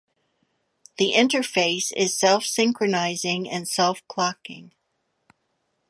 The interface is self-synchronizing and self-clocking.